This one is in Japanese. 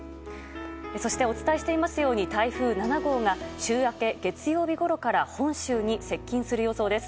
そしてお伝えしていますように台風７号が週明け月曜日ごろから本州にかなり接近する予想です。